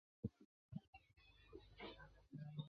咸丰九年己未科三甲进士。